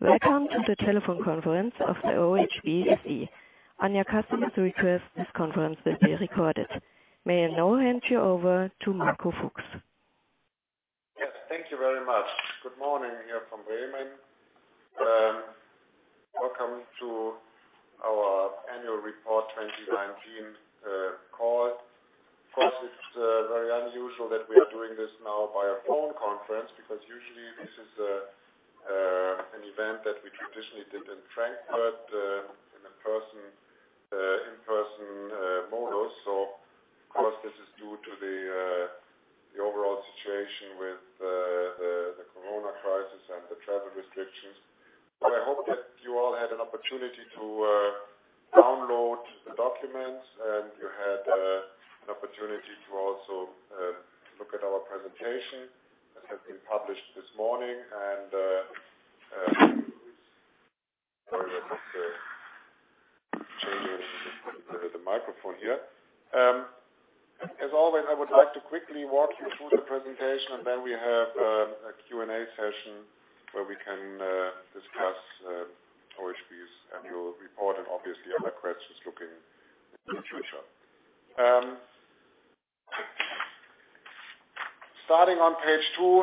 Welcome to the telephone conference of the OHB SE. On your customer's request, this conference will be recorded. May I now hand you over to Marco Fuchs. Yes, thank you very much. Good morning here from Bremen. Welcome to our annual report 2019 call. It's very unusual that we are doing this now by a phone conference, because usually this is an event that we traditionally did in Frankfurt in an in-person mode also. This is due to the overall situation with the COVID crisis and the travel restrictions. I hope that you all had an opportunity to download the documents and you had an opportunity to also look at our presentation that has been published this morning. Sorry about the changing the microphone here. I would like to quickly walk you through the presentation, and then we have a Q&A session where we can discuss OHB's annual report and obviously other questions looking in the future. Starting on page two,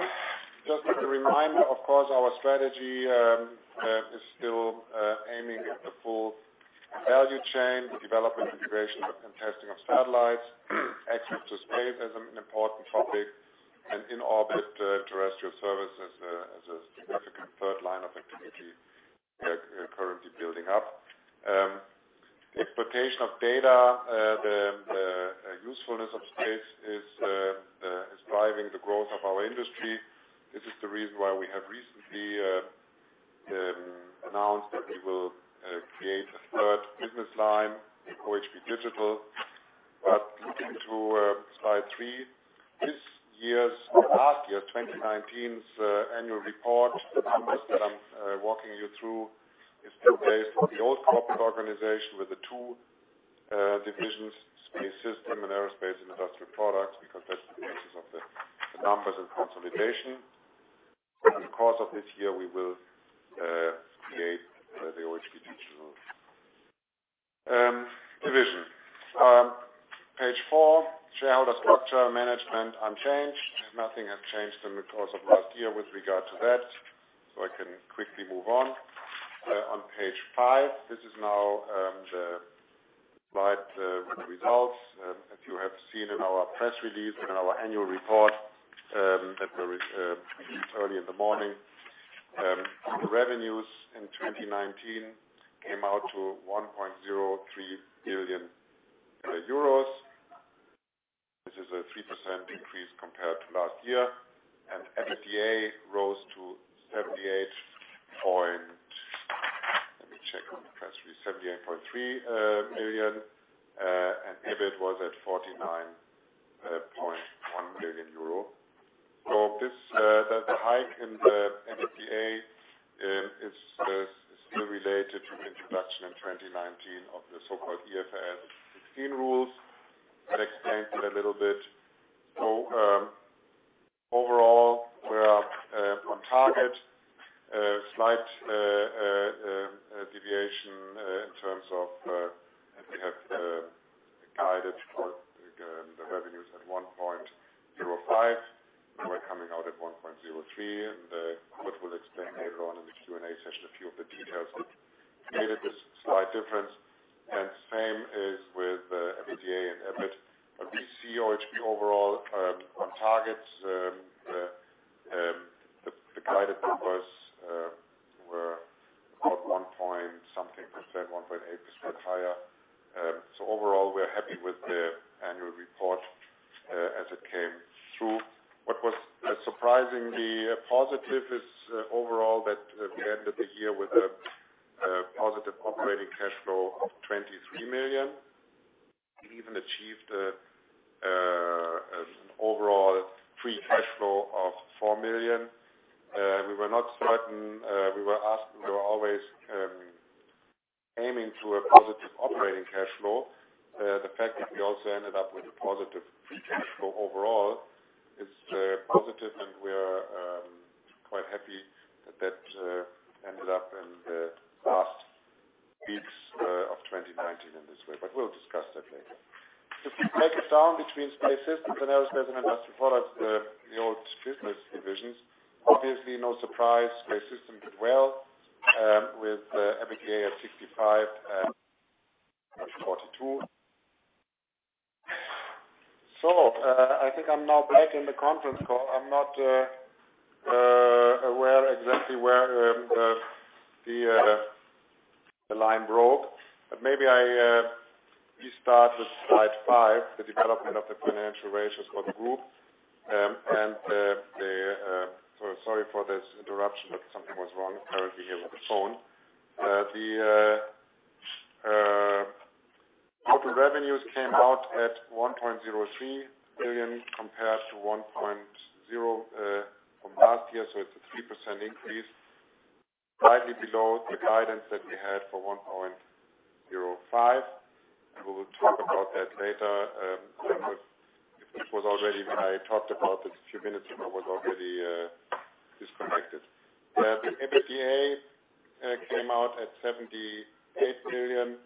just as a reminder, of course, our strategy is still aiming at the full value chain, the development, integration, and testing of satellites. Access to space is an important topic and in-orbit terrestrial service as a third line of activity we are currently building up. Exploitation of data, the usefulness of space is driving the growth of our industry. This is the reason why we have recently announced that we will create a third business line, OHB Digital. Looking to slide three. Last year, 2019's annual report, the numbers that I'm walking you through is still based on the old corporate organization with the two divisions, Space Systems and Aerospace and Industrial Products, because that's the basis of the numbers and consolidation. In the course of this year, we will create the OHB Digital division. Page four, shareholder structure, management unchanged. Nothing has changed in the course of last year with regard to that, so I can quickly move on. On page five, this is now the slide, the results. If you have seen in our press release, in our annual report early in the morning. The revenues in 2019 came out to 1.03 billion euros. This is a 3% increase compared to last year. EBITDA rose to Let me check on the press release, 78.3 million, and EBIT was at 49.1 million euro. The hike in the EBITDA is still related to the introduction in 2019 of the so-called IFRS 16 rules. I'll explain it a little bit. Overall, we are on target. We have guided for the revenues at 1.05 billion. We were coming out at 1.03. Kurt will explain later on in the Q&A session a few of the details that created this slight difference. Same is with EBITDA and EBIT. We see OHB overall on targets. The guided numbers were about one point something percent, 1.8% higher. Overall, we are happy with the annual report as it came through. What was surprisingly positive is overall that we ended the year with a positive operating cash flow of 23 million. We even achieved an overall free cash flow of 4 million. We were not certain. We were always aiming to a positive operating cash flow. The fact that we also ended up with a positive free cash flow overall is positive, and we are quite happy that that ended up in the last weeks of 2019 in this way. We'll discuss that later. If we break it down between Space Systems and Aerospace and Industrial Products, the old business divisions, obviously, no surprise, Space Systems did well with EBITDA at 65 and 42. I think I'm now back in the conference call. I'm not aware exactly where the line broke. Maybe I restart with slide five, the development of the financial ratios for the group. Sorry for this interruption, something was wrong currently here with the phone. The total revenues came out at 1.03 billion compared to 1.0 billion from last year. It's a 3% increase, slightly below the guidance that we had for 1.05 billion. We will talk about that later. It was already when I talked about this a few minutes ago, I was already disconnected. The EBITDA came out at 78 million,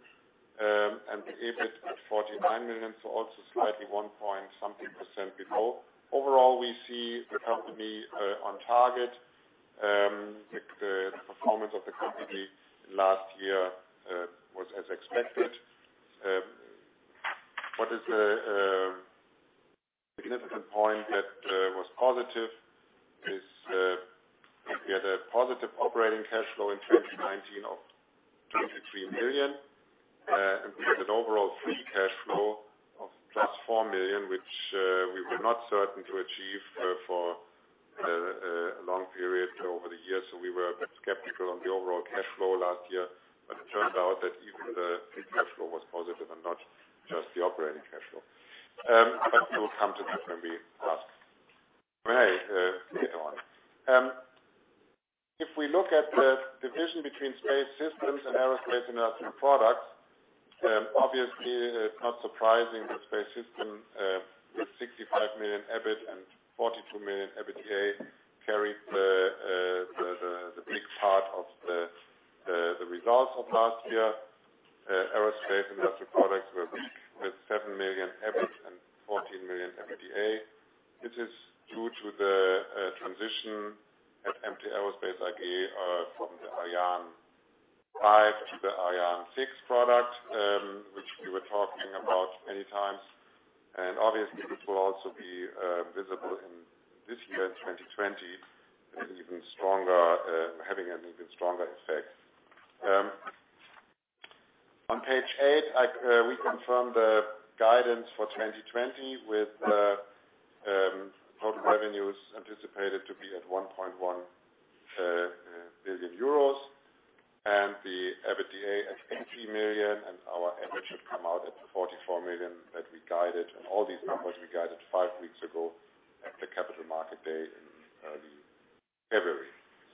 and the EBIT at 49 million, also slightly one point something% below. Overall, we see the company on target. The performance of the company last year was as expected. What is a significant point that was positive is we had a positive operating cash flow in 2019 of 23 million, and we had an overall free cash flow of plus 4 million, which we were not certain to achieve for a long period over the years. We were a bit skeptical on the overall cash flow last year, but it turns out that even the free cash flow was positive and not just the operating cash flow. We will come to that when we ask. Right. Moving on. If we look at the division between Space Systems and Aerospace and Industrial Products, obviously, it's not surprising that Space Systems, with 65 million EBIT and 42 million EBITDA, carried the big part of the results of last year. Aerospace and Industrial Products with 7 million EBIT and 14 million EBITDA. This is due to the transition at MT Aerospace AG from the Ariane 5 to the Ariane 6 product, which we were talking about many times. Obviously, this will also be visible in this year, 2020, and having an even stronger effect. On page eight, we confirm the guidance for 2020 with total revenues anticipated to be at 1.1 billion euros and the EBITDA at 80 million, and our EBIT should come out at 44 million that we guided. All these numbers we guided five weeks ago at the Capital Market Day in early February.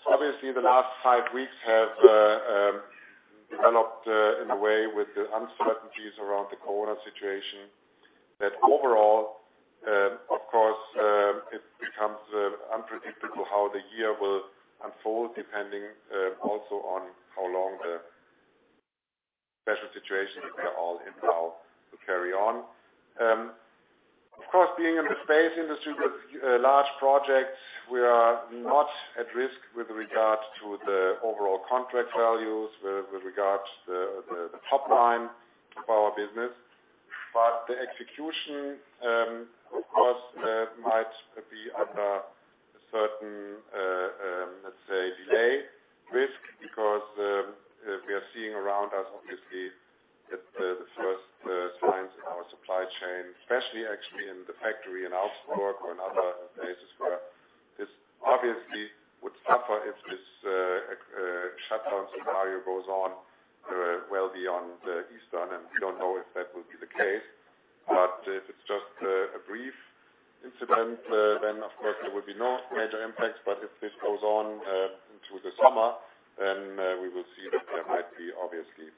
Obviously, the last five weeks have developed in a way with the uncertainties around the COVID situation. Overall, of course, it becomes unpredictable how the year will unfold, depending also on how long the special situation that we are all in now will carry on. Of course, being in the space industry with large projects, we are not at risk with regard to the overall contract values, with regards to the top line of our business. The execution, of course, might be under a certain, let's say, delay risk because we are seeing around us, obviously, the first signs in our supply chain, especially actually in the factory in Augsburg and other places where this obviously would suffer if this shutdown scenario goes on well beyond Easter, and we don't know if that will be the case. If it's just a brief incident, of course there will be no major impacts. If this goes on through the summer, we will see that there might be, obviously,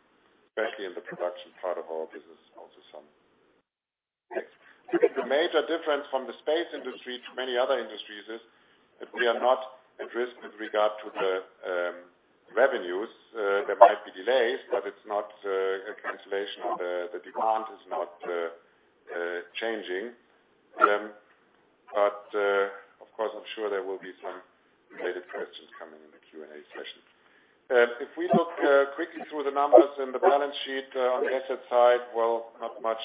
especially in the production part of our business, also some effects. The major difference from the space industry to many other industries is that we are not at risk with regard to the revenues. There might be delays, but it's not a cancellation. The demand is not changing. Of course, I'm sure there will be some related questions coming in the Q&A session. If we look quickly through the numbers in the balance sheet on the asset side, well, not much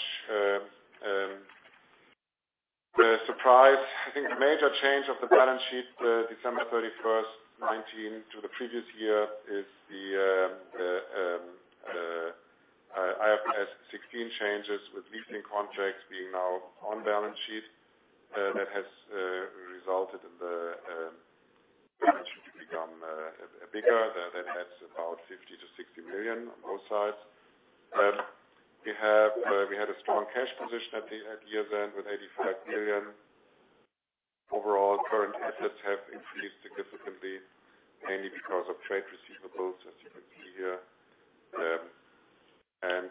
surprise. I think the major change of the balance sheet, December 31st, 2019 to the previous year is the IFRS 16 changes with leasing contracts being now on balance sheet. That has resulted in the balance sheet to become bigger. That adds about 50 million to 60 million on both sides. We had a strong cash position at year-end with 85 million. Current assets have increased significantly, mainly because of trade receivables, as you can see here.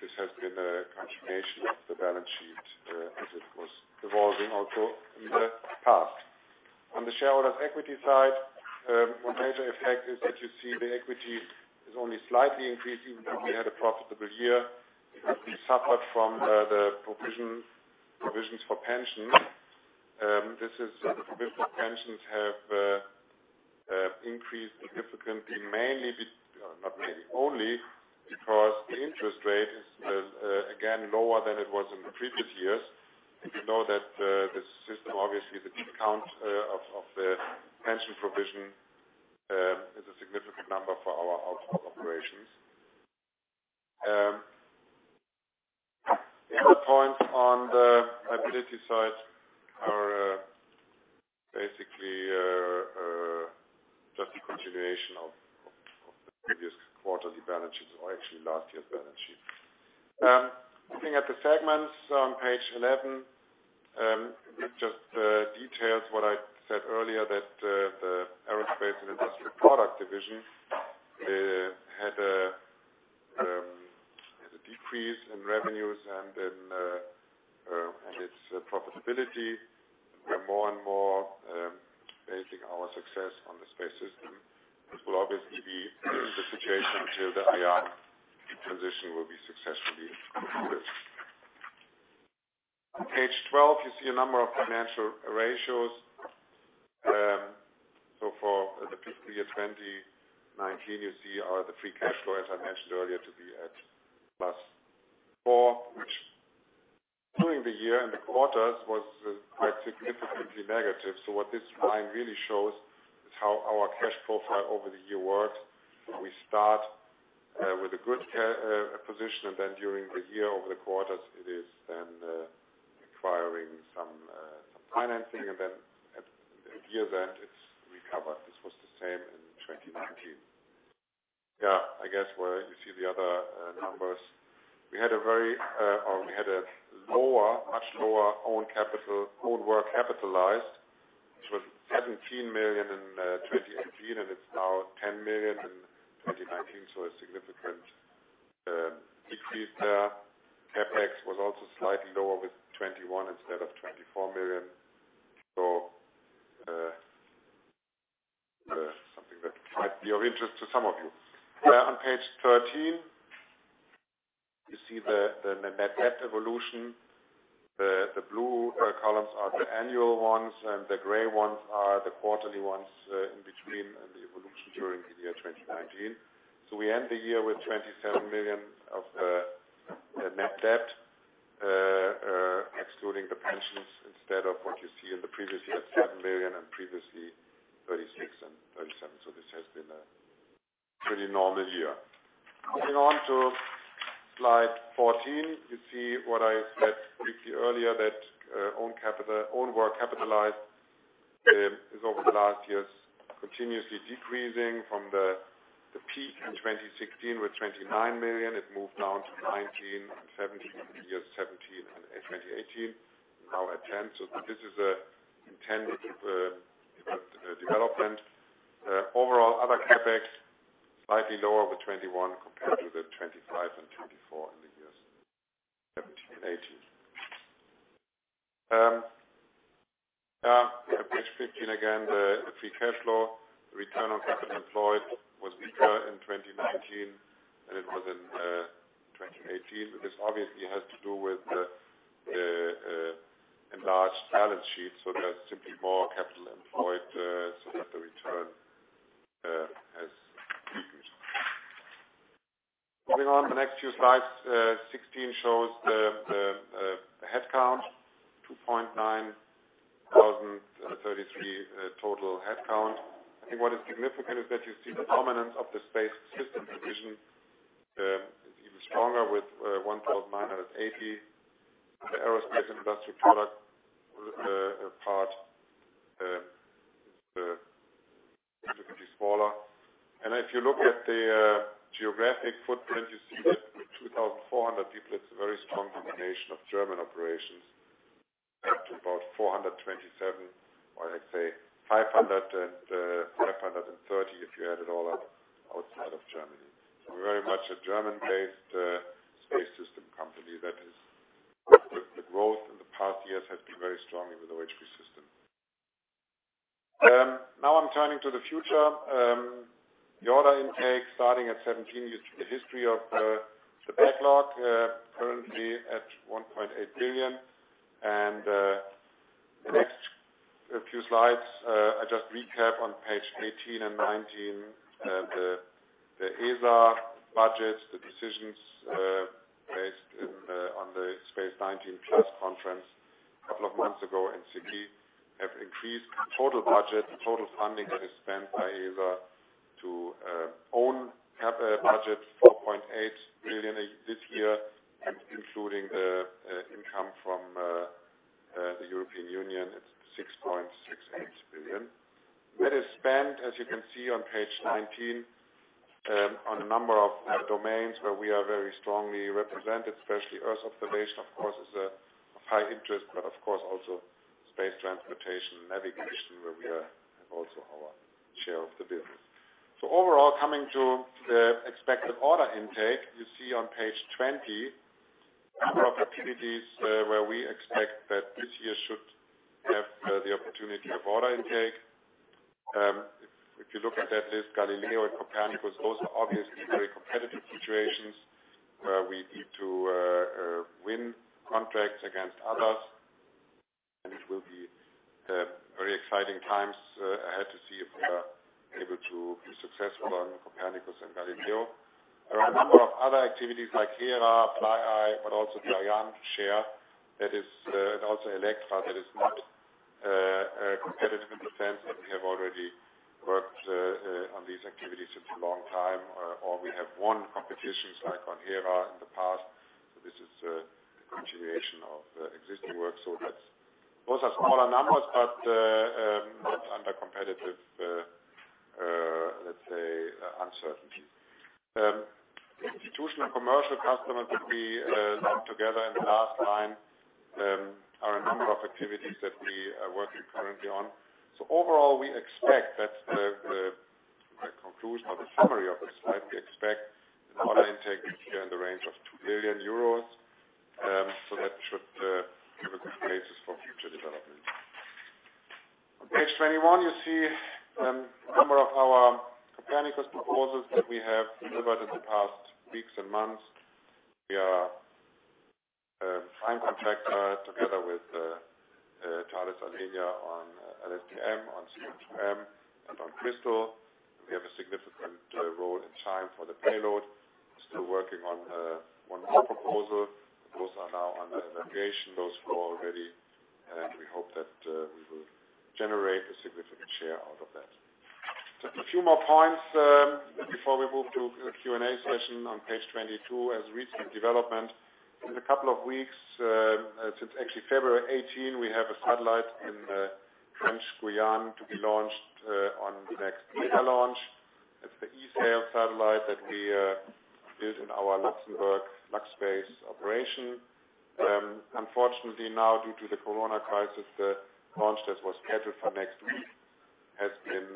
This has been a continuation of the balance sheet as it was evolving also in the past. On the shareholders' equity side, one major effect is that you see the equity is only slightly increasing because we had a profitable year. We suffered from the provisions for pensions. The provisions for pensions have increased significantly, only because the interest rate is, again, lower than it was in the previous years. You know that this system, obviously, the discount of the pension provision is a significant number for our operations. The other points on the liability side are basically just a continuation of the previous quarterly balance sheets, or actually last year's balance sheet. Looking at the segments on page 11. Just details what I said earlier that the Aerospace and Industrial Products division had a decrease in revenues and in its profitability. We are more and more basing our success on the Space Systems. This will obviously be the situation until the IFRS 16 transition will be successfully completed. On page 12, you see a number of financial ratios. For the fiscal year 2019, you see the free cash flow, as I mentioned earlier, to be at +4, which during the year and the quarters was quite significantly negative. What this line really shows is how our cash profile over the year worked. We start with a good position and then during the year, over the quarters, it is then acquiring some financing and then at year end, it's recovered. This was the same in 2019. Yeah, I guess where you see the other numbers, we had a much lower own capital, own work capitalized, which was 17 million in 2018, and it's now 10 million in 2019. A significant decrease there. CapEx was also slightly lower with 21 million instead of 24 million. Something that might be of interest to some of you. On page 13, you see the net debt evolution. The blue columns are the annual ones, and the gray ones are the quarterly ones in between and the evolution during the year 2019. We end the year with 27 million of net debt, excluding the pensions, instead of what you see in the previous year at 7 million and previously 36 million and 37 million. This has been a pretty normal year. Moving on to slide 14, you see what I said briefly earlier, that own work capitalized is over the last years continuously decreasing from the peak in 2016 with 29 million. It moved down to 19 million and 17 million in the years 2017 and 2018, now at 10 million. This is the intended development. Overall, other CapEx, slightly lower with 21 million compared to the 25 million and 24 million in the years 2017 and 2018. On page 15, again, the free cash flow, return on capital employed was better in 2019 than it was in 2018. This obviously has to do with the enlarged balance sheet, so there's simply more capital employed, so that the return has decreased. Moving on, the next few slides. 16 shows the headcount, 2,933 total headcount. I think what is significant is that you see the prominence of the Space Systems division is even stronger with 1,980. The Aerospace and Industrial Products part is significantly smaller. If you look at the geographic footprint, you see that 2,400 people, it's a very strong combination of German operations to about 427, or let's say 530, if you add it all up outside of Germany. We're very much a German-based space system company. The growth in the past years has been very strongly with OHB System. Now I'm turning to the future. The order intake starting at 2017, the history of the backlog, currently at 1.8 billion. The next few slides, I just recap on page 18 and 19, the ESA budgets, the decisions based on the Space19+ conference a couple of months ago in Seville have increased total budget, total funding that is spent by ESA to own budget, 4.8 billion this year, including the income from the European Union, it's 6.68 billion. That is spent, as you can see on page 19, on a number of domains where we are very strongly represented, especially earth observation, of course, is of high interest, but of course also space transportation and navigation where we have also our share of the business. Overall, coming to the expected order intake, you see on page 20, a number of activities where we expect that this year should have the opportunity of order intake. If you look at that list, Galileo and Copernicus, those are obviously very competitive situations where we need to win contracts against others. It will be very exciting times ahead to see if we are able to be successful on Copernicus and Galileo. There are a number of other activities like Hera, PLATO, but also Ariane, Share, and also Electra, that is not a competitive defense, and we have already worked on these activities a long time, or we have won competitions like on Hera in the past. This is a continuation of existing work. Those are smaller numbers, but not under competitive pressure. The uncertainty. Institutional commercial customers that we put together in the last line are a number of activities that we are working currently on. Overall, we expect that the conclusion or the summary of this slide, we expect an order intake here in the range of 2 billion euros. That should give a good basis for future development. On page 21, you see a number of our Copernicus proposals that we have delivered in the past weeks and months. We are a prime contractor together with Thales Alenia on LSTM, on CO2M, and on CRISTAL. We have a significant role in CHIME for the payload. Still working on one more proposal. Those are now under evaluation. Those four already, and we hope that we will generate a significant share out of that. Just a few more points before we move to Q&A session. On page 22, as recent development. In a couple of weeks, since actually February 18, we have a satellite in French Guiana to be launched on the next Vega launch. It's the ESAIL satellite that we built in our Luxembourg LuxSpace operation. Unfortunately, now due to the corona crisis, the launch that was scheduled for next week has been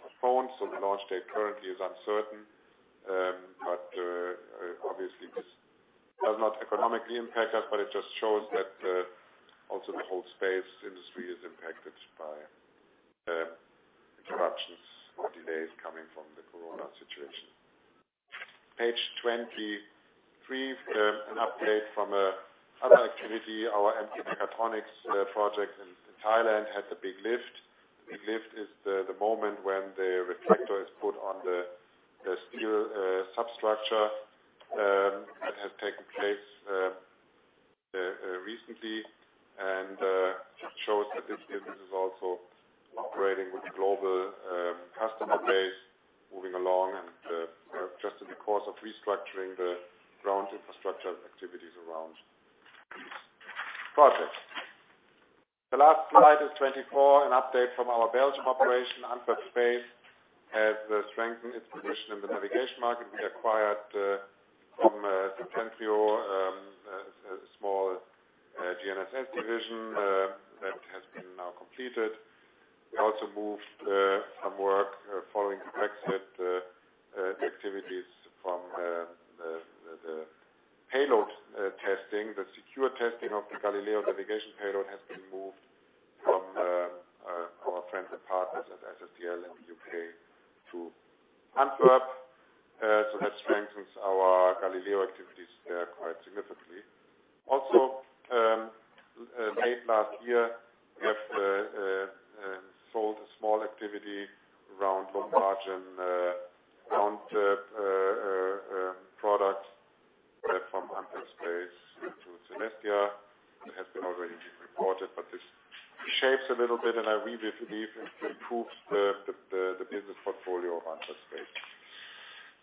postponed, so the launch date currently is uncertain. Obviously this does not economically impact us, it just shows that also the whole space industry is impacted by interruptions or delays coming from the COVID situation. Page 23, an update from other activity. Our MT Mechatronics project in Thailand had a big lift. Big lift is the moment when the reflector is put on the steel substructure. It has taken place recently and just shows that this business is also operating with global customer base moving along and just in the course of restructuring the ground infrastructure activities around this project. The last slide is 24, an update from our Belgian operation, Antwerp Space, has strengthened its position in the navigation market. We acquired from Septentrio, a small GNSS division that has been now completed. We also moved some work following Brexit activities from the payload testing. The secure testing of the Galileo navigation payload has been moved from our friends and partners at SSTL in the U.K. to Antwerp. That strengthens our Galileo activities there quite significantly. Also, late last year, we have sold a small activity around low margin, around product from Antwerp Space to Sintersa. It has been already reported, this shapes a little bit and I really believe it improves the business portfolio of Antwerp Space.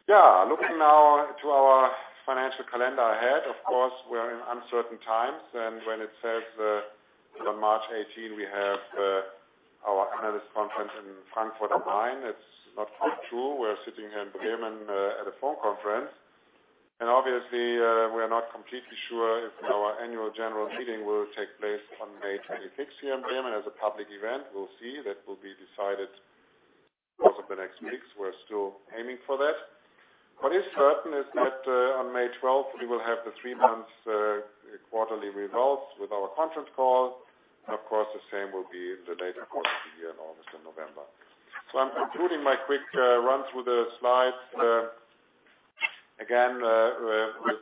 Looking now to our financial calendar ahead, of course, we are in uncertain times, when it says on March 18, we have our analyst conference in Frankfurt am Main, it's not quite true. We're sitting here in Bremen at a phone conference. Obviously, we are not completely sure if our annual general meeting will take place on May 26th here in Bremen as a public event. We'll see. That will be decided course of the next weeks. We're still aiming for that. What is certain is that on May 12th, we will have the three months quarterly results with our conference call. Of course, the same will be in the later course of the year in August and November. I'm concluding my quick run through the slides. Again, with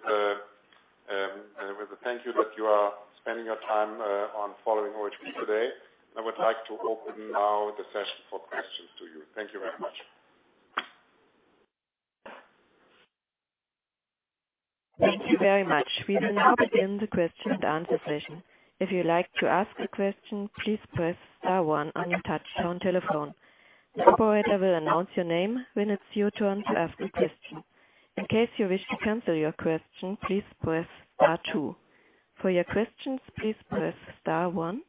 a thank you that you are spending your time on following OHB today. I would like to open now the session for questions to you. Thank you very much. Thank you very much. We will now begin the question and answer session. If you would like to ask a question, please press star one on your touchtone telephone. The operator will announce your name when it's your turn to ask a question. In case you wish to cancel your question, please press star two. For your questions, please press star one.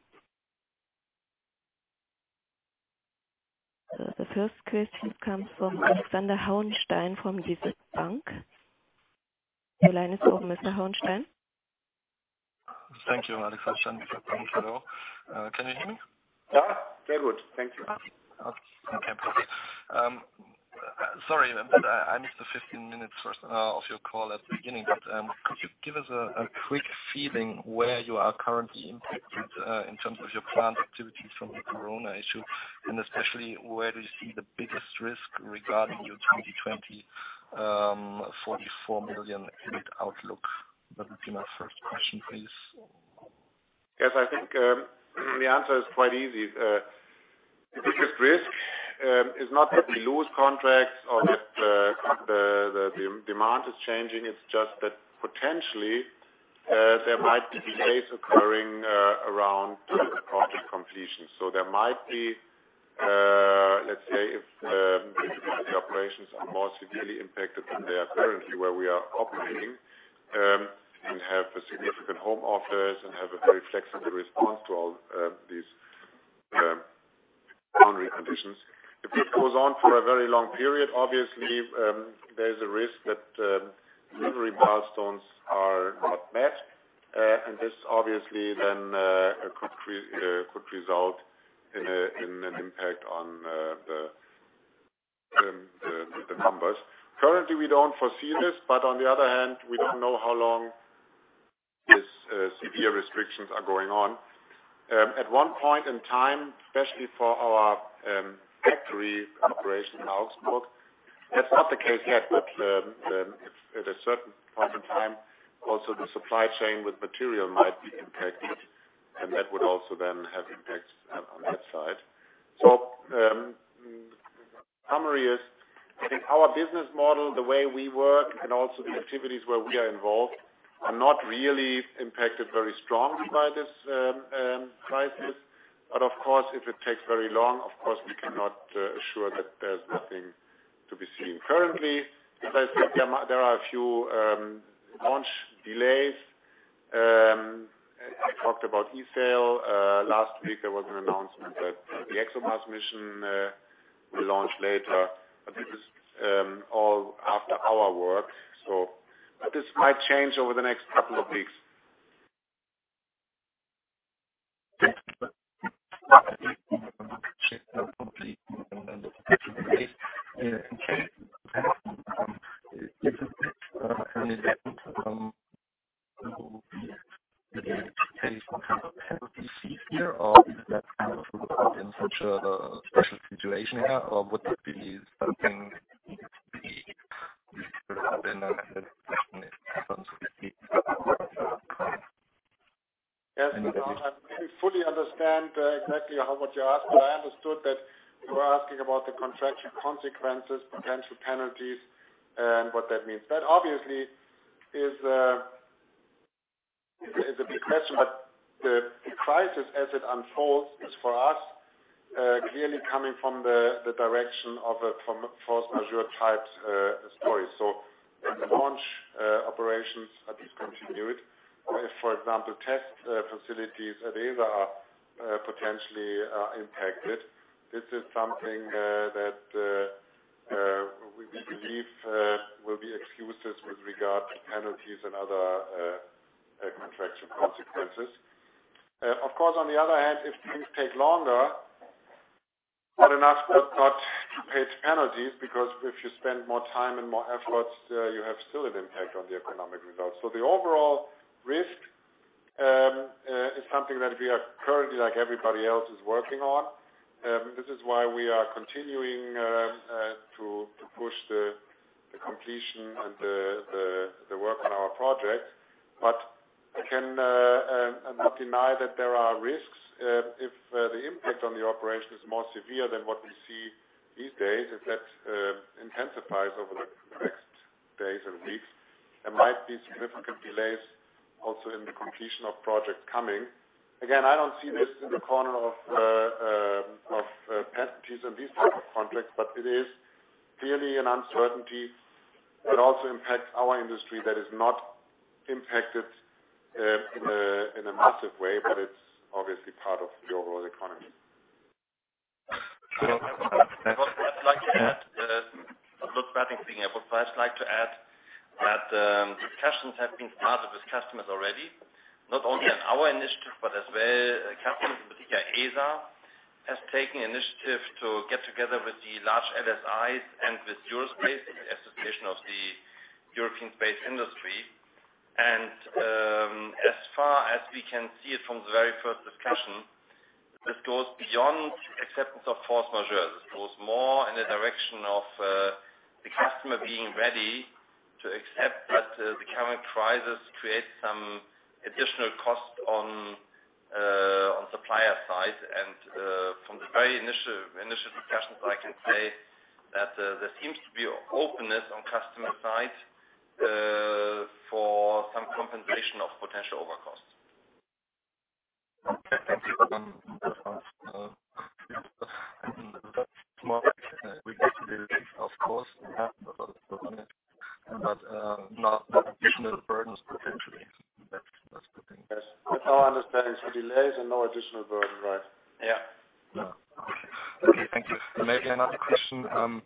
The first question comes from Alexander Hauenstein from DZ Bank. Your line is open, Mr. Hauenstein. Thank you, Alexander. Hello. Can you hear me? Yeah. Very good. Thank you. Okay, perfect. Sorry, I missed the first 15 minutes of your call at the beginning. Could you give us a quick feeling where you are currently impacted in terms of your plant activities from the COVID issue? Especially, where do you see the biggest risk regarding your 2020 44 million unit outlook? That would be my first question, please. Yes, I think the answer is quite easy. The biggest risk is not that we lose contracts or that the demand is changing. It's just that potentially there might be delays occurring around project completion. There might be, let's say if are more severely impacted than they are currently, where we are operating and have a significant home office and have a very flexible response to all these boundary conditions. If this goes on for a very long period, obviously, there is a risk that delivery milestones are not met. This obviously then could result in an impact on the numbers. Currently, we don't foresee this, but on the other hand, we don't know how long these severe restrictions are going on. At one point in time, especially for our factory operation outlook, that's not the case yet, but at a certain point in time, also the supply chain with material might be impacted, and that would also then have impacts on that side. The summary is, I think our business model, the way we work, and also the activities where we are involved, are not really impacted very strongly by this crisis. Of course, if it takes very long, of course, we cannot assure that there's nothing to be seen. Currently, as I said, there are a few launch delays. I talked about ESAIL. Last week there was an announcement that the ExoMars mission will launch later. This is all after our work. This might change over the next couple of weeks. Is this an event that will be the case for penalties here, or is that kind of put aside in such a special situation here? Would this be something that needs to be put up in a session at some 60? Yes. I don't fully understand exactly what you asked, but I understood that you were asking about the contractual consequences, potential penalties, and what that means. That obviously is a big question. The crisis as it unfolds is for us, clearly coming from the direction of a force majeure type story. If launch operations are discontinued or if, for example, test facilities at ESA are potentially impacted, this is something that we believe will be excuses with regard to penalties and other contractual consequences. Of course, on the other hand, if things take longer, that is not to pay penalties, because if you spend more time and more efforts, you have still an impact on the economic results. The overall risk is something that we are currently, like everybody else, is working on. This is why we are continuing to push the completion and the work on our project. I cannot deny that there are risks if the impact on the operation is more severe than what we see these days. If that intensifies over the next days and weeks, there might be significant delays also in the completion of projects coming. Again, I don't see this in the corner of penalties and these types of contracts, but it is clearly an uncertainty that also impacts our industry that is not impacted in a massive way, but it's obviously part of the overall economy. I'd like to add. I'd first like to add that discussions have been started with customers already, not only on our initiative, but as well customers, in particular, ESA, has taken initiative to get together with the large LSIs and with Eurospace, the association of the European space industry. As far as we can see it from the very first discussion, this goes beyond acceptance of force majeure. This goes more in the direction of the customer being ready to accept that the current crisis creates some additional cost on supplier side. From the very initial discussions, I can say that there seems to be openness on customer side for some compensation of potential overcosts. Thank you. That's more we get a little relief, of course, but not additional burdens, potentially. That's the thing. Yes. Our understanding is the delays and no additional burden, right? Yeah. Okay. Thank you. Maybe another question.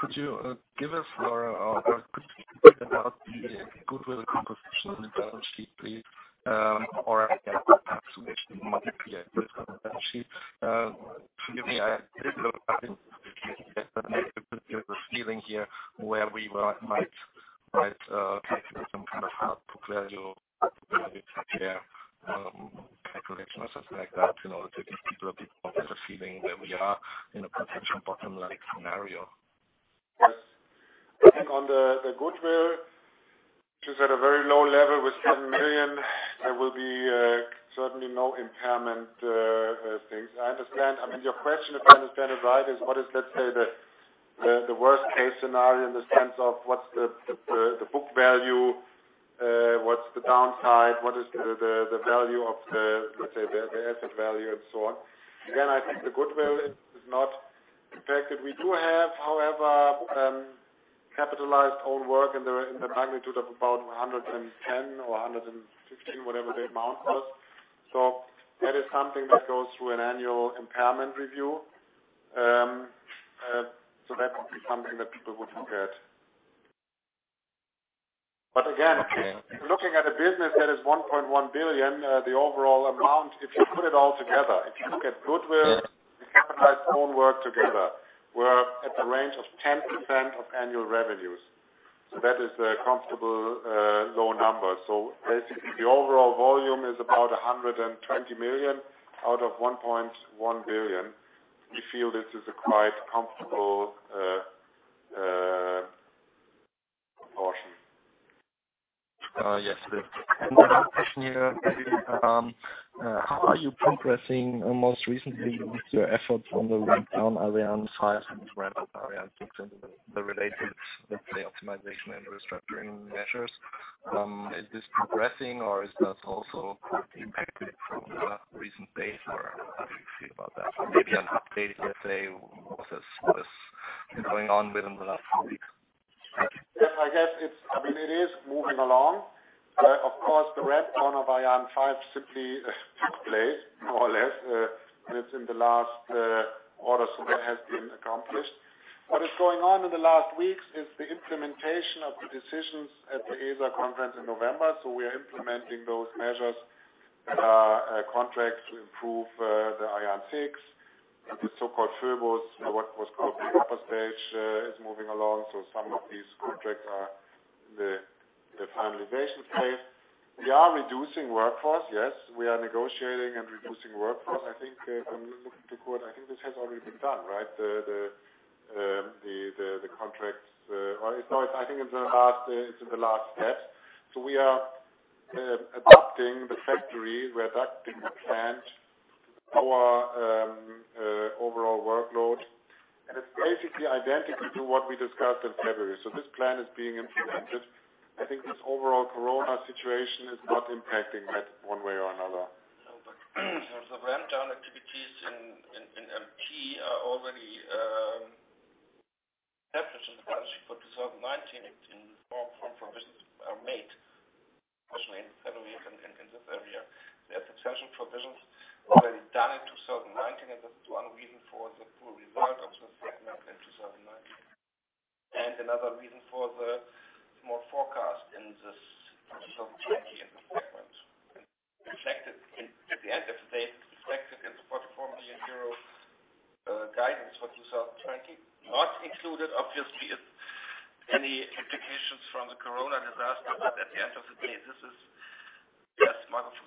Could you give us or could you put out the goodwill composition in the balance sheet, please? Perhaps you actually multiply it with the balance sheet. Forgive me, I didn't look at it. Maybe there's a ceiling here where we might calculate some kind of book value calculation or something like that in order to give people a bit of a better feeling where we are in a potential bottom-like scenario. Yes. I think on the goodwill, which is at a very low level with 7 million, there will be certainly no impairment things. I understand. Your question, if I understand it right, is what is, let's say, the worst-case scenario in the sense of what's the book value, what's the downside? What is the value of the asset value and so on? Again, I think the goodwill is not impacted. We do have, however, capitalized own work in the magnitude of about 110 or 115, whatever the amount was. That is something that goes through an annual impairment review. That would be something that people would look at. Again, looking at a business that is 1.1 billion, the overall amount, if you put it all together, if you look at goodwill, the capitalized own work together, we're at the range of 10% of annual revenues. That is a comfortable low number. Basically, the overall volume is about 120 million out of 1.1 billion. We feel this is a quite comfortable portion. Yes. The last question here, how are you progressing most recently with your efforts on the ramp down Ariane 5 and ramp Ariane 6 and the related, let's say, optimization and restructuring measures? Is this progressing or is this also impacted from the recent days, or how do you feel about that? Maybe an update, let's say, what is going on within the last few weeks? Yes, I guess it is moving along. The ramp down of Ariane 5 simply took place more or less. It's in the last orders that have been accomplished. What is going on in the last weeks is the implementation of the decisions at the ESA conference in November. We are implementing those measures, contracts to improve the Ariane 6, the so-called PHOEBUS, what was called the upper stage, is moving along. Some of these contracts are in the finalization phase. We are reducing workforce, yes. We are negotiating and reducing workforce. I think when you look at the quote, I think this has already been done, right? The contracts, I think it's in the last steps. We are adapting the factory, we're adapting the plant to our overall workload, and it's basically identical to what we discussed in February. This plan is being implemented. I think this overall corona situation is not impacting that one way or another.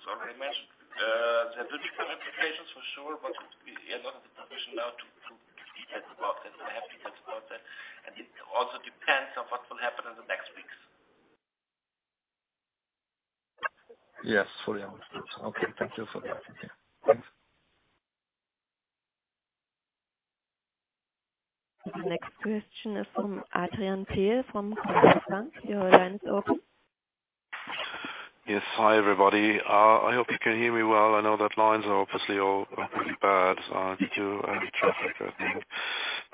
No, in terms of ramp down activities in MP are already established in the budget for 2019 in the form from provisions are made, especially in heavily in Kourou area. The potential provisions already done in 2019. This is one reason for the poor result of the segment in 2019. Another reason for the small forecast in this 2020 in the segment. At the end of the day, reflected in the EUR 44 million guidance for 2020. Not included, obviously, is any implications from the COVID, at the end of the day, this is, as Marco has already mentioned. There will be some implications for sure. We are not in the position now to be exact about that, or happy about that. It also depends on what will happen in the next weeks. Yes, fully understood. Okay, thank you for that. Okay. Thanks. The next question is from Adrian from Postbank. Your line's open. Yes. Hi, everybody. I hope you can hear me well. I know that lines are obviously all really bad due to traffic, I think.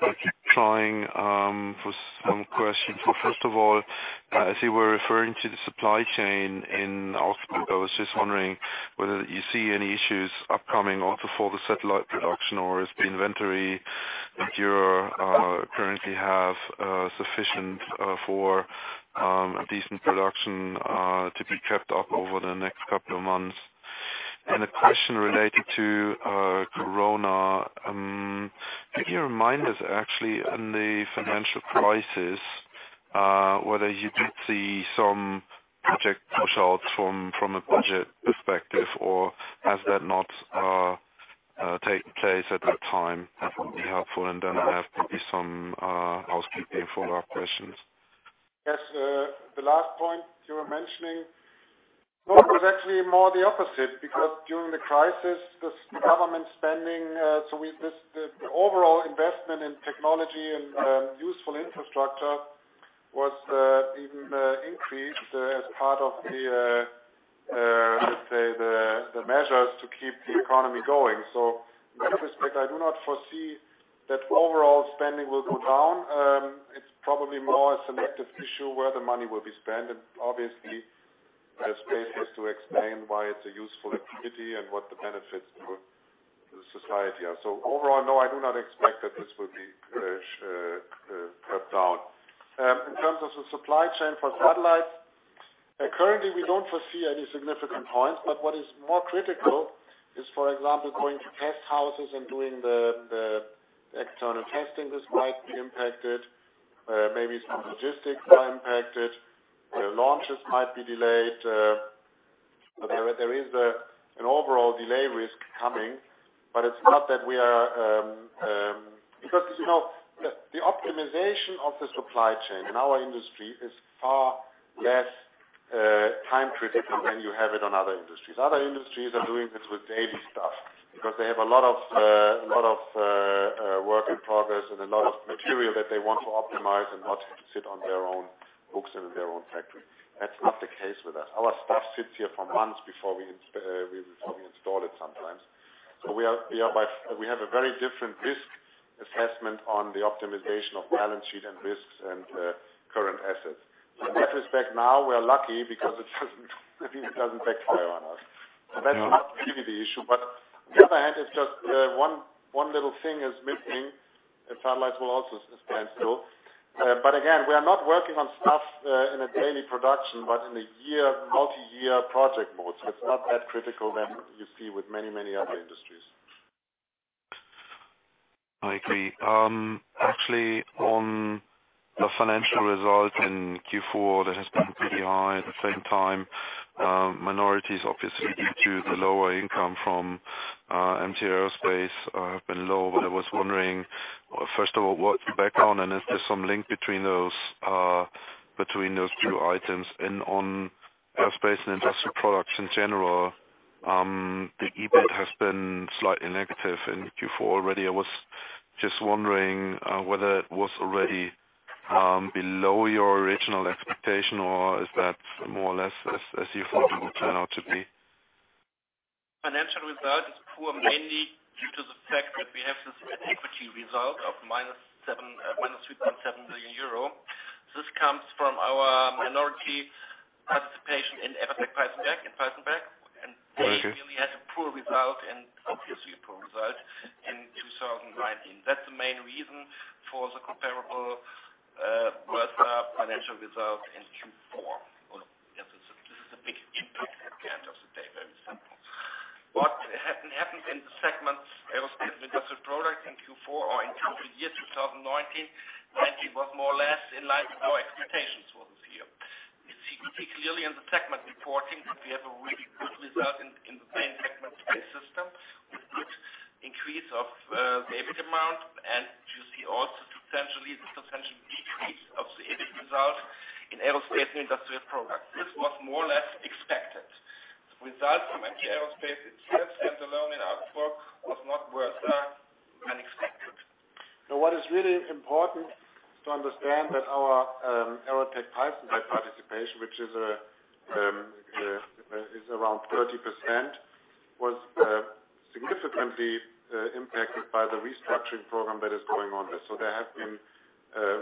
I keep trying. First, one question. First of all, as you were referring to the supply chain in Augsburg, I was just wondering whether you see any issues upcoming also for the satellite production, or is the inventory that you currently have sufficient for a decent production to be kept up over the next couple of months? A question related to corona. Could you remind us actually, in the financial crisis, whether you did see some project push out from a budget perspective, or has that not taken place at that time? That would be helpful. Then I have probably some housekeeping follow-up questions. Yes. The last point you were mentioning, it was actually more the opposite, because during the crisis, the government spending, the overall investment in technology and useful infrastructure was even increased as part of the, let's say, the measures to keep the economy going. In that respect, I do not foresee that overall spending will go down. It's probably more a selective issue where the money will be spent, and obviously, there's places to explain why it's a useful activity and what the benefits to the society are. Overall, no, I do not expect that this will be cut down. In terms of the supply chain for satellites, currently, we don't foresee any significant points, but what is more critical is, for example, going to test houses and doing the external testing, this might be impacted. Maybe some logistics are impacted. Launches might be delayed. There is an overall delay risk coming, but it's not that. The optimization of the supply chain in our industry is far less time-critical than you have it in other industries. Other industries are doing this with daily stuff because they have a lot of work in progress and a lot of material that they want to optimize and not sit on their own books and in their own factory. That's not the case with us. Our stuff sits here for months before we install it sometimes. We have a very different risk assessment on the optimization of balance sheet and risks and current assets. In this respect now we're lucky because it doesn't backfire on us. That's not really the issue. The other hand, it's just one little thing is missing, and satellites will also as planned still. Again, we are not working on stuff in a daily production, but in a multi-year project mode. It's not that critical than you see with many, many other industries. I agree. Actually, on the financial result in Q4, that has been pretty high. At the same time, minorities, obviously due to the lower income from MT Aerospace, have been low. I was wondering, first of all, what's the background and if there's some link between those two items and on Aerospace and Industrial Products in general, the EBIT has been slightly negative in Q4 already. I was just wondering whether it was already below your original expectation or is that more or less as you thought it would turn out to be? Financial result is poor, mainly due to the fact that we have this equity result of minus 3.7 billion euro. This comes from our minority participation in Aerotech Peissenberg. They really had a poor result in 2019. That's the main reason for the comparable, worse financial result in Q4. This is a big impact at the end of the day, very simple. What happened in the segments Aerospace and Industrial Products in Q4 or in total year 2019, 2020 was more or less in line with our expectations for this year. You see particularly in the segment reporting that we have a really good result in the main segment Space Systems, with good increase of the EBIT amount, and you see also the substantial decrease of the EBIT result in Aerospace and Industrial Products. This was more or less expected. The result from MT Aerospace itself, stand alone in our book, was not worse than expected. What is really important is to understand that our Aerotech Peissenberg participation, which is around 30%, was significantly impacted by the restructuring program that is going on there. There have been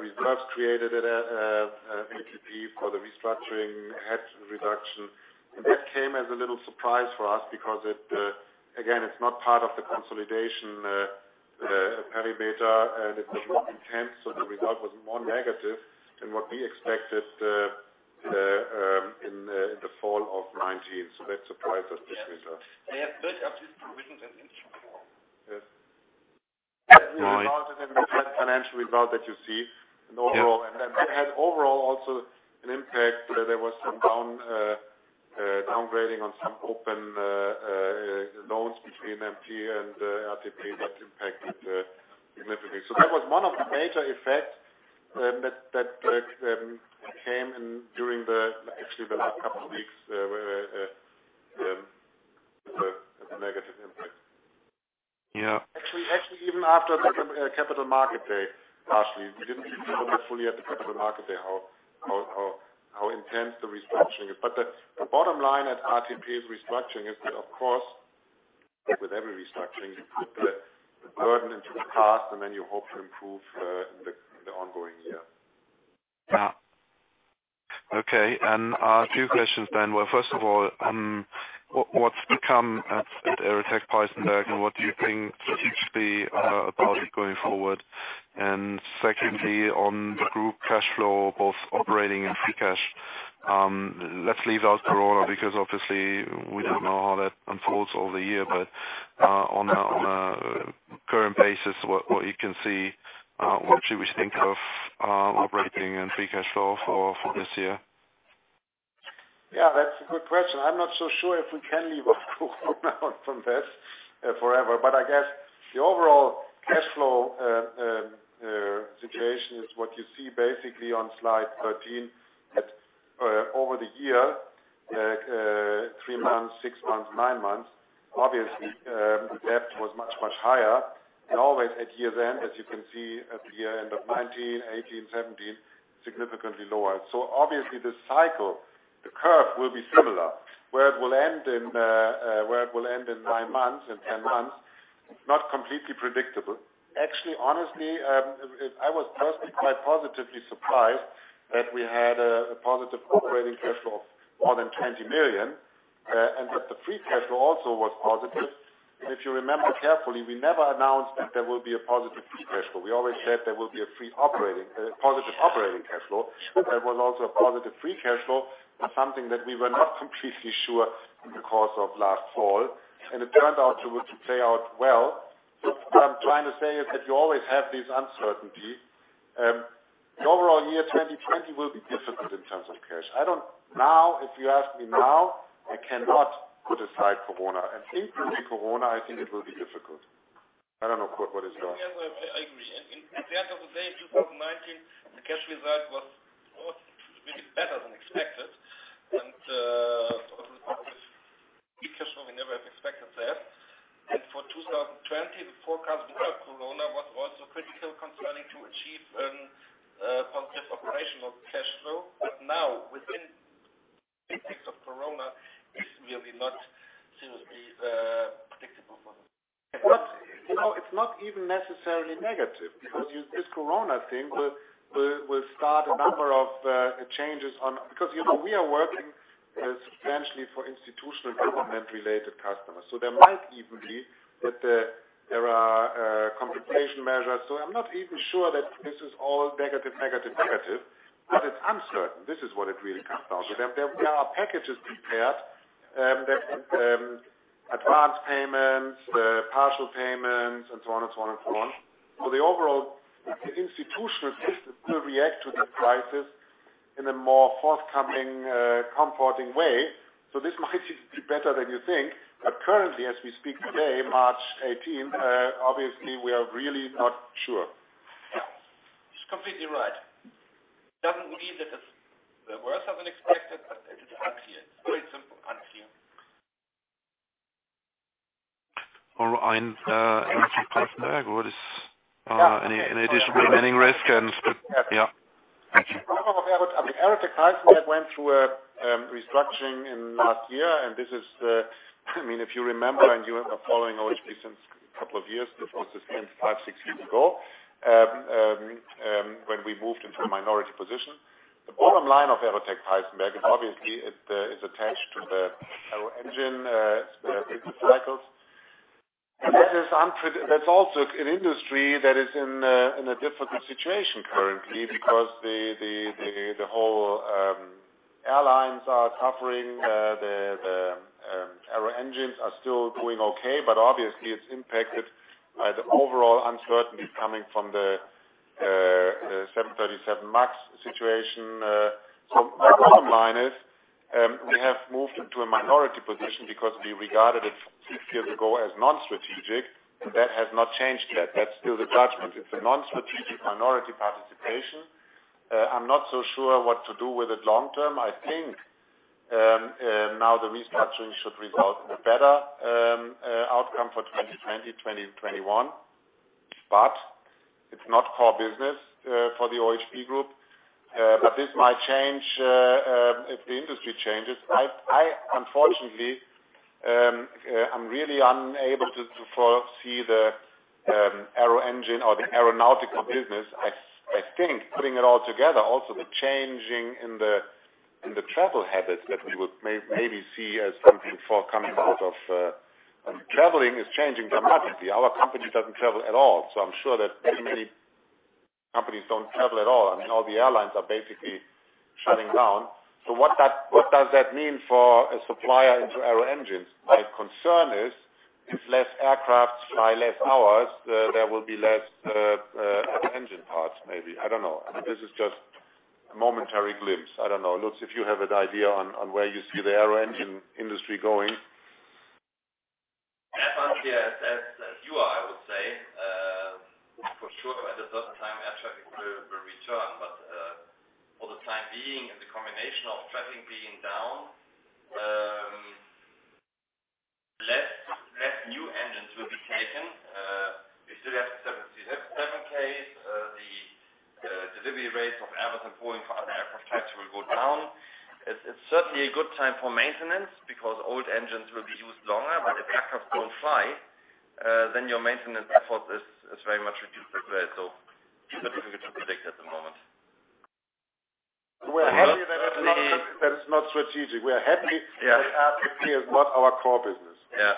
reserves created at ATP for the restructuring, head reduction. That came as a little surprise for us because, again, it's not part of the consolidation perimeter, and it was more intense, so the result was more negative than what we expected in the fall of 2019. That surprised us, this result. They have built up these provisions in Q4. Yes. That result in the financial result that you see in overall. It had overall also an impact where there was some downgrading on some open loans between MT and ATP that impacted significantly. That was one of the major effects that came in during the, actually the last couple of weeks, the negative impact. Yeah. Actually, even after the Capital Market Day, actually, we didn't know fully at the Capital Market Day how intense the restructuring is. The bottom line at ATP's restructuring is that, of course, with every restructuring, you put the burden into the past and then you hope to improve in the ongoing year. Yeah. Okay. A few questions then. Well, first of all, what's become at Aerotech Peissenberg and what do you think, hugely, about it going forward? Secondly, on the group cash flow, both operating and free cash. Let's leave out Corona because obviously we don't know how that unfolds over the year. On a current basis, what you can see, what do we think of operating and free cash flow for this year? Yeah, that's a good question. I'm not so sure if we can leave out COVID from this forever, but I guess the overall cash flow situation is what you see basically on slide 13. That over the year, three months, six months, nine months, obviously, the depth was much, much higher. Always at year-end, as you can see at the year-end of 2019, 2018, 2017, significantly lower. Obviously this cycle, the curve will be similar. Where it will end in nine months, in 10 months, not completely predictable. Actually, honestly, I was personally quite positively surprised that we had a positive operating cash flow of more than 20 million, and that the free cash flow also was positive. If you remember carefully, we never announced that there will be a positive free cash flow. We always said there will be a positive operating cash flow. There was also a positive free cash flow, something that we were not completely sure in the course of last fall, and it turned out to play out well. What I'm trying to say is that you always have this uncertainty. The overall year 2020 will be difficult in terms of cash. Now, if you ask me now, I cannot put aside Corona, and including Corona, I think it will be difficult. I don't know, Kurt, what is your-. I agree. At the end of the day, 2019, the cash result was really better than expected. Positive free cash flow, we never have expected that. For 2020, the forecast without COVID was also critical concerning to achieve positive operational cash flow. Now, within The effects of COVID is really not seriously predictable for us. It's not even necessarily negative because this COVID thing will start a number of changes. Because we are working substantially for institutional government-related customers. There might even be that there are compensation measures. I'm not even sure that this is all negative, negative, but it's uncertain. This is what it really comes down to. There are packages prepared that advance payments, partial payments, and so on and so on and so on. The overall institutional system will react to the crisis in a more forthcoming, comforting way. This might even be better than you think. Currently, as we speak today, March 18, obviously, we are really not sure. Yeah. It's completely right. It doesn't mean that it's worse than expected, but it's unclear. It's very simple, unclear. All right. Aerotech Peissenberg, what is any additional remaining risk? Yeah. Thank you. I think Aerotech Peissenberg went through a restructuring in last year. If you remember, and you are following OHB since a couple of years, this was five, six years ago, when we moved into a minority position. The bottom line of Aerotech Peissenberg is obviously it is attached to the aero-engine business cycles. That's also an industry that is in a difficult situation currently because the whole airlines are suffering. The aero-engines are still doing okay, but obviously, it's impacted by the overall uncertainty coming from the 737 MAX situation. My bottom line is, we have moved into a minority position because we regarded it six years ago as non-strategic. That has not changed yet. That's still the judgment. It's a non-strategic minority participation. I'm not so sure what to do with it long term. I think now the restructuring should result in a better outcome for 2020, 2021. It's not core business for the OHB group. This might change if the industry changes. I unfortunately, I'm really unable to foresee the aero-engine or the aeronautical business. I think putting it all together, also the changing in the travel habits that we would maybe see as something forthcoming. Traveling is changing dramatically. Our company doesn't travel at all. I'm sure that many companies don't travel at all. I mean, all the airlines are basically shutting down. What does that mean for a supplier into aero-engines? My concern is if less aircraft fly less hours, there will be less engine parts, maybe. I don't know. This is just a momentary glimpse. I don't know. Lutz, if you have an idea on where you see the aero-engine industry going? As unsure as you are, I would say. For sure, at a certain time, air traffic will return. For the time being, the combination of traffic being down, less new engines will be taken. We still have the 737 case. The delivery rates of Airbus and Boeing for other aircraft types will go down. It's certainly a good time for maintenance because old engines will be used longer. If aircraft don't fly, your maintenance effort is very much reduced as well. It's difficult to predict at the moment. We're happy that it's not strategic. We are happy that it is not our core business. Yeah.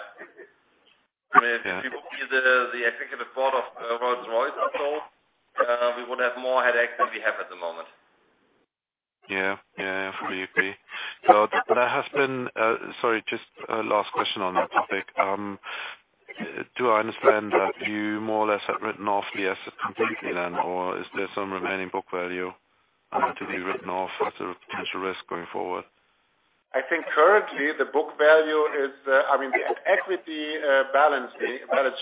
If we were the executive board of Rolls-Royce or so, we would have more headaches than we have at the moment. Yeah. Fully agree. Sorry, just last question on that topic. Do I understand that you more or less have written off the asset completely then? Is there some remaining book value to be written off as a potential risk going forward? I think currently the book value, I mean, the equity balance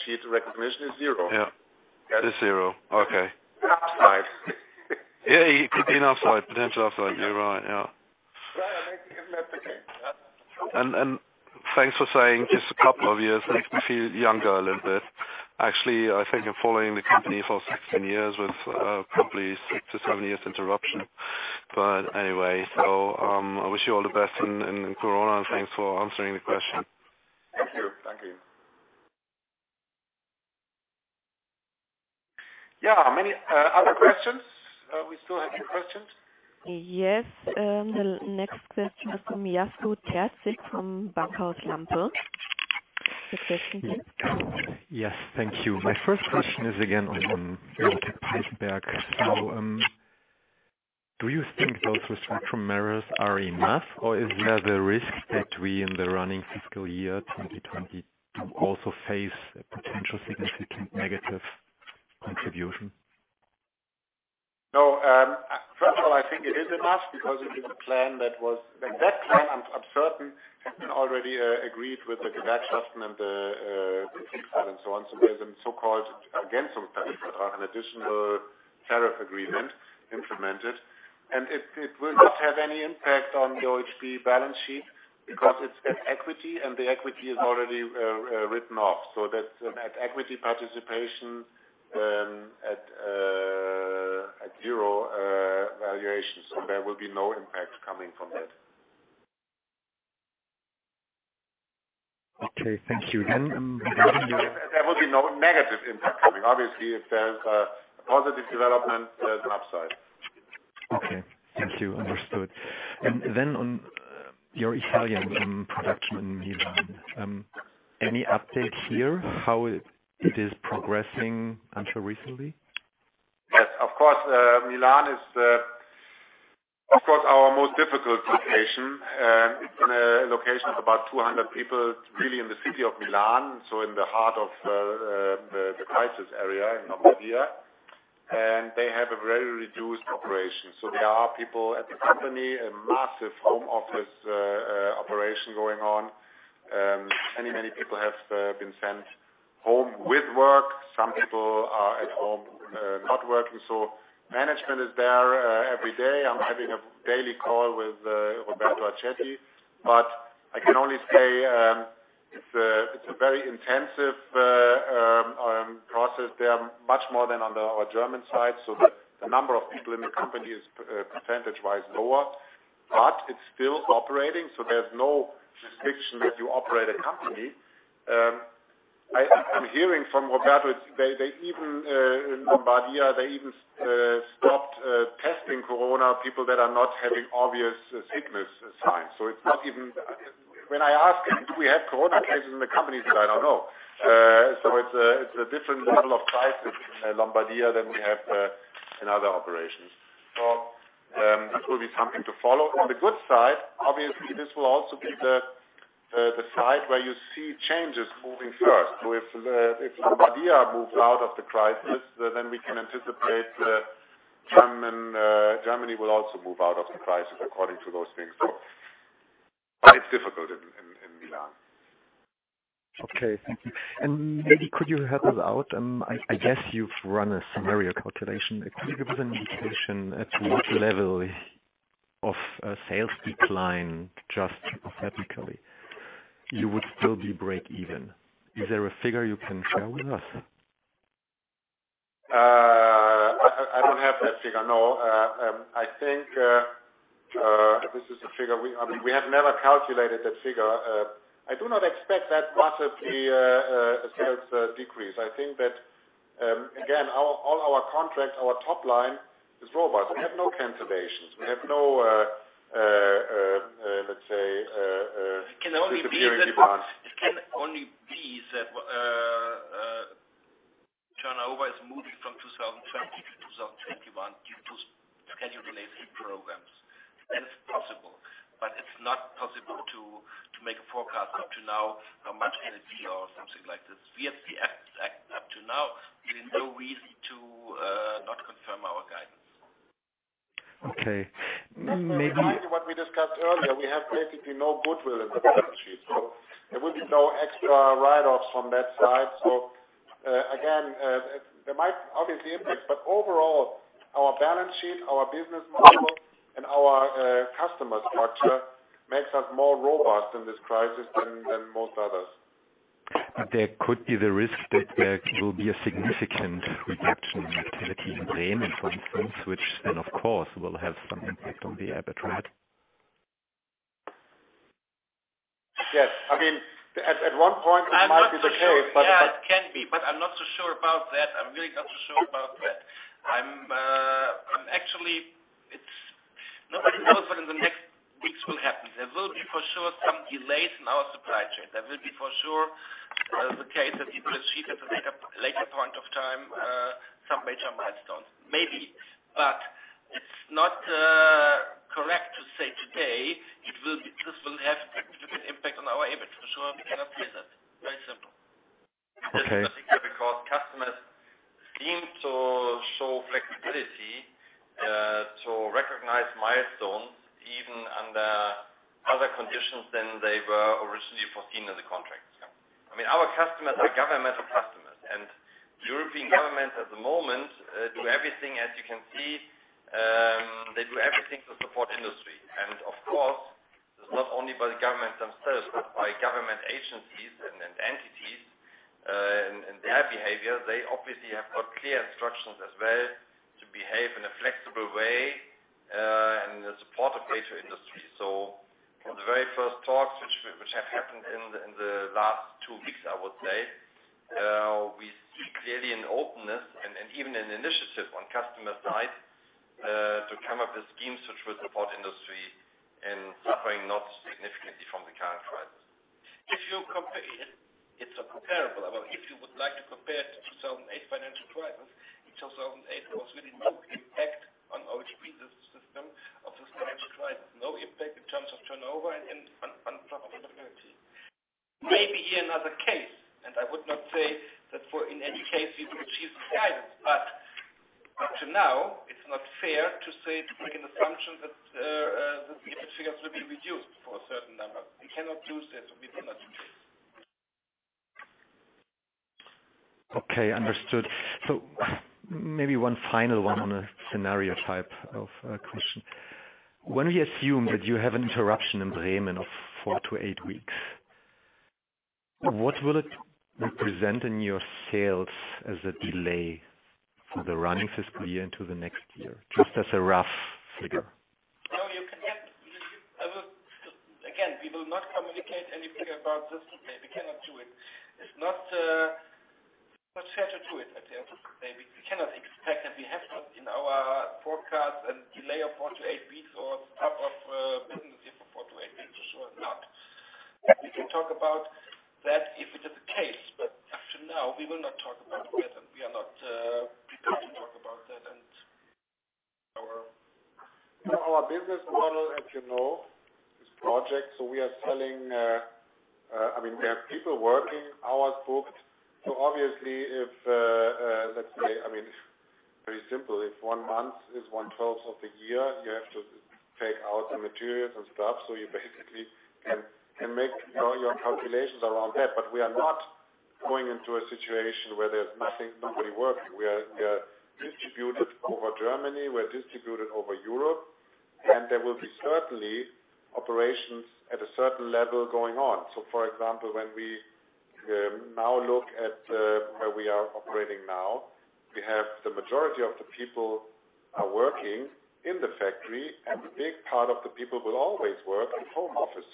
sheet recognition is zero. Yeah. Is zero. Okay. Upside. Yeah, potential upside. You're right. Yeah. Yeah, I think isn't that the case? Yeah. Thanks for saying just a couple of years. It makes me feel younger a little bit. Actually, I think I'm following the company for 16 years with probably six to seven years interruption. Anyway, I wish you all the best in COVID, thanks for answering the question. Thank you. Thank you. Yeah. Many other questions? We still have a few questions. Yes. The next question is from Jasko Terzic from Bankhaus Lampe. The question, please. Yes. Thank you. My first question is again on Aerotech Peissenberg. Do you think those restriction measures are enough, or is there the risk that we in the running fiscal year 2020 also face a potential significant negative contribution? No. First of all, I think it is enough because it is a plan, I'm certain, has been already agreed with the German Government and so on. There is a so-called, again, an additional tariff agreement implemented. It will not have any impact on the OHB balance sheet because it's an equity and the equity is already written off. That equity participation at EUR valuation. There will be no impact coming from that. Okay, thank you. There will be no negative impact coming. Obviously, if there's a positive development, there's an upside. Okay. Thank you. Understood. On your Italian production in Milan, any update here how it is progressing until recently? Yes, of course, Milan is, of course, our most difficult location. It's a location of about 200 people, really in the city of Milan, in the heart of the crisis area in Lombardia, and they have a very reduced operation. There are people at the company, a massive home office operation going on. Many people have been sent home with work. Some people are at home not working. Management is there every day. I'm having a daily call with Roberto Acetti, but I can only say it's a very intensive process there, much more than on our German side. The number of people in the company is percentage-wise lower, but it's still operating. There's no restriction that you operate a company. I'm hearing from Roberto, in Lombardia, they even stopped testing COVID people that are not having obvious sickness signs. When I ask him, "Do we have COVID cases in the company?" He said, "I don't know." It's a different level of crisis in Lombardia than we have in other operations. This will be something to follow. On the good side, obviously, this will also be the side where you see changes moving first. If Lombardia moves out of the crisis, then we can anticipate Germany will also move out of the crisis according to those things. It's difficult in Milan. Okay, thank you. Maybe could you help us out? I guess you've run a scenario calculation. Could you give us an indication as to what level of sales decline, just hypothetically, you would still be break even? Is there a figure you can share with us? I don't have that figure, no. I think this is a figure. We have never calculated that figure. I do not expect that much of a sales decrease. I think that, again, all our contracts, our top line is robust. We have no cancellations. We have no, let's say, disappearing demands. It can only be that turnover is moving from 2020 to 2021 due to schedule related programs. That is possible, but it's not possible to make a forecast up to now how much it will be or something like this. Up to now, we have no reason to not confirm our guidance. Okay. Remind you what we discussed earlier, we have basically no goodwill in the balance sheet, so there will be no extra write-offs from that side. Again, there might obviously impact, but overall, our balance sheet, our business model, and our customer structure makes us more robust in this crisis than most others. There could be the risk that there will be a significant reduction in activity in Bremen, for instance, which then, of course, will have some impact on the EBIT, right? Yes. I mean, at one point it might be the case. Yeah, it can be, but I'm not so sure about that. I'm really not so sure about that. Nobody knows what in the next weeks will happen. There will be for sure some delays in our supply chain. That will be for sure the case that we will achieve at a later point of time some major milestones. Maybe. It's not correct to say today this will have a significant impact on our EBIT. For sure, we cannot say that. Very simple. Okay. Just particularly because customers seem to show flexibility to recognize milestones even under other conditions than they were originally foreseen in the contracts. I mean, our customers are governmental customers, and European governments at the moment do everything, as you can see, they do everything to support industry. Of course, it's not only by the government themselves, but by government agencies and entities and their behavior. They obviously have got clear instructions as well to behave in a flexible way and support the greater industry. From the very first talks, which have happened in the last two weeks, I would say, we see clearly an openness and even an initiative on customer side to come up with schemes which will support industry in suffering not significantly from the current crisis. It's comparable. I mean, if you would like to compare to 2008 financial crisis, in 2008, there was really no impact on OHB System of the financial crisis. No impact in terms of turnover and on profitability. Maybe here another case, I would not say that for in any case we will achieve this guidance. Up to now, it's not fair to say, to make an assumption that these figures will be reduced for a certain number. We cannot do that. We cannot do that. Okay, understood. Maybe one final one on a scenario type of question. When we assume that you have an interruption in Bremen of four to eight weeks. What will it represent in your sales as a delay for the running fiscal year into the next year? Just as a rough figure. Again, we will not communicate anything about this today. We cannot do it. It's not fair to do it, I think. We cannot expect, and we have not in our forecast a delay of four to eight weeks or stop of business if for four to eight weeks or not. We can talk about that if it is the case, but as of now, we will not talk about it yet, and we are not prepared to talk about that. Our business model, as you know, is projects. We have people working, hours booked. Obviously, it's very simple. If one month is one-twelfth of a year, you have to take out the materials and stuff, so you basically can make your calculations around that. We are not going into a situation where there's nobody working. We are distributed over Germany, we're distributed over Europe, there will be certainly operations at a certain level going on. For example, when we now look at where we are operating now, we have the majority of the people are working in the factory, and a big part of the people will always work in home office.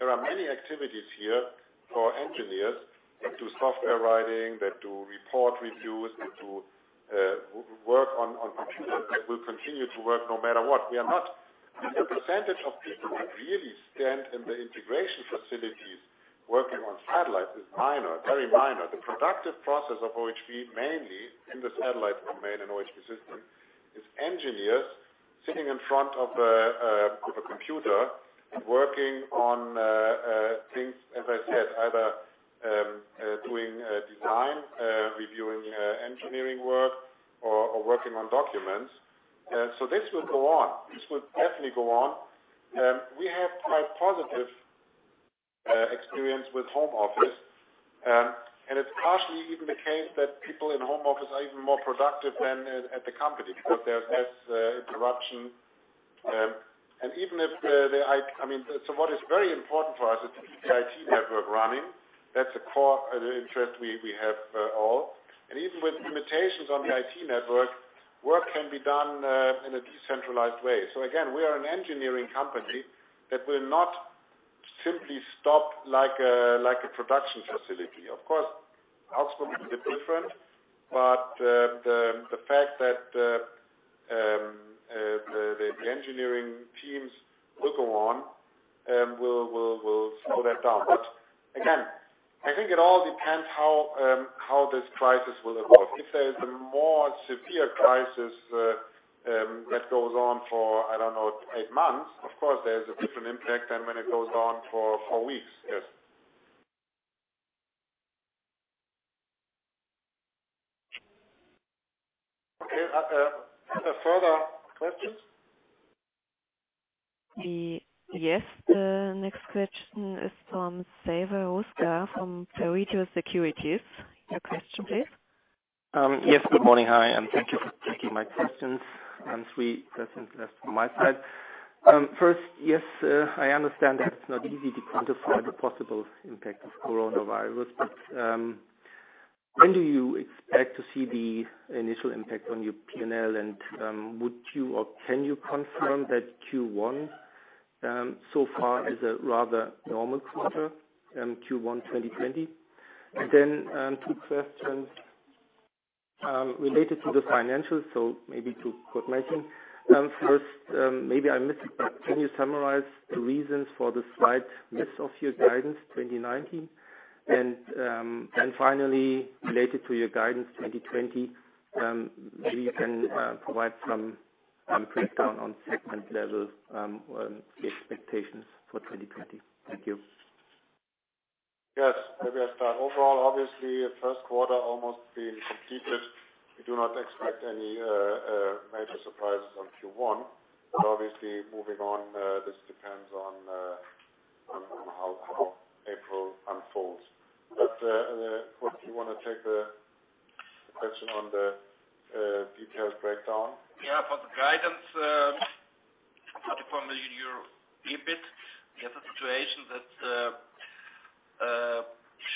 There are many activities here for engineers that do software writing, that do report reviews, that do work on computers, that will continue to work no matter what. The percentage of people that really stand in the integration facilities working on satellites is minor, very minor. The productive process of OHB, mainly in the satellite domain in OHB System, is engineers sitting in front of a computer and working on things, as I said, either doing design, reviewing engineering work or working on documents. This will go on. This will definitely go on. We have quite positive experience with home office. It's partially even the case that people in home office are even more productive than at the company, because there's less interruption. What is very important for us is to keep the IT network running. That's a core interest we have all. Even with limitations on the IT network, work can be done in a decentralized way. Again, we are an engineering company that will not simply stop like a production facility. Of course, outcome will be different, but the fact that the engineering teams will go on will slow that down. Again, I think it all depends how this crisis will evolve. If there is a more severe crisis that goes on for, I don't know, eight months, of course, there is a different impact than when it goes on for four weeks. Yes. Okay. Further questions? Yes. Next question is from Zafer Rüzgar from Pareto Securities. Your question, please. Yes, good morning. Hi, thank you for taking my questions. Three questions just from my side. First, yes, I understand that it's not easy to quantify the possible impact of coronavirus, when do you expect to see the initial impact on your P&L? Would you or can you confirm that Q1 so far is a rather normal quarter, Q1 2020? Two questions related to the financials, maybe to Kurt Melching. First, maybe I missed it, can you summarize the reasons for the slight miss of your guidance 2019? Finally, related to your guidance 2020, maybe you can provide some breakdown on segment level, the expectations for 2020. Thank you. Yes. Maybe I start. Overall, obviously, 1st quarter almost being completed. We do not expect any major surprises on Q1. Obviously, moving on, this depends on how April unfolds. Kurt, do you want to take the question on the detailed breakdown? Yeah, for the guidance, EUR 40 million EBIT. We have a situation that